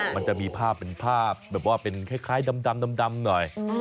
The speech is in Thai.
มันจะมีภาพเป็นภาพแบบว่าเป็นคล้ายดำหน่อย